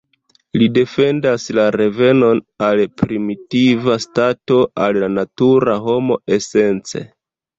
Li defendas la revenon al primitiva stato, al la natura homo esence.